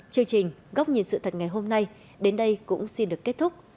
chương trình góc nhìn sự thật ngày hôm nay đến đây cũng xin được kết thúc